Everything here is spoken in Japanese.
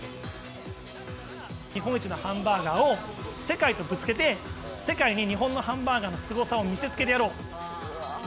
日本一のハンバーガーを世界とぶつけて、世界に日本のハンバーガーのすごさを見せつけてやろう。